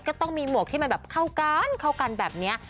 ก็ต้องมีหมวกที่มันแบบเข้ากันเข้ากันแบบนี้